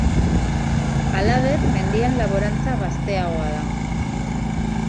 Halaber, mendian laborantza gazteagoa da.